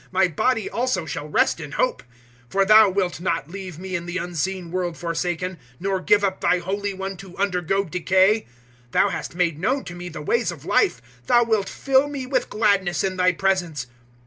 My body also shall rest in hope. 002:027 For Thou wilt not leave me in the Unseen World forsaken, nor give up Thy holy One to undergo decay. 002:028 Thou hast made known to me the ways of Life: Thou wilt fill me with gladness in Thy presence.'